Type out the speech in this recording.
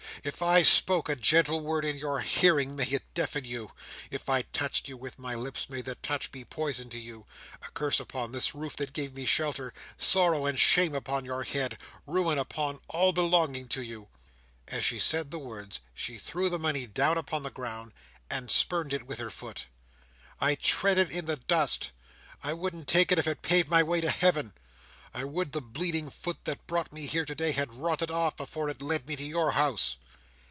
If I spoke a gentle word in your hearing, may it deafen you! If I touched you with my lips, may the touch be poison to you! A curse upon this roof that gave me shelter! Sorrow and shame upon your head! Ruin upon all belonging to you!" As she said the words, she threw the money down upon the ground, and spurned it with her foot. "I tread it in the dust: I wouldn't take it if it paved my way to Heaven! I would the bleeding foot that brought me here today, had rotted off, before it led me to your house!"